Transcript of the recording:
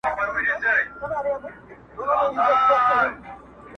زه سینې د حیوانانو څیرومه.!